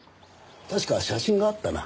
確か写真があったな。